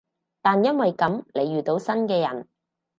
但因為噉，你遇到新嘅人